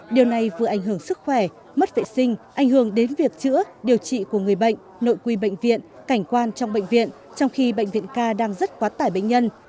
điều này vừa ảnh hưởng sức khỏe mất vệ sinh ảnh hưởng đến việc chữa điều trị của người bệnh nội quy bệnh viện cảnh quan trong bệnh viện trong khi bệnh viện ca đang rất quá tải bệnh nhân